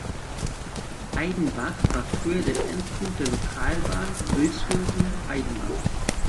Aidenbach war früher der Endpunkt der Lokalbahn Vilshofen–Aidenbach.